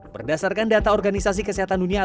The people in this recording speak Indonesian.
berdasarkan data organisasi kesehatan dunia